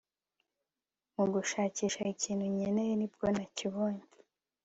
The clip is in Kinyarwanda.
mugushakisha ikintu nkeneye, nibwo nakibonye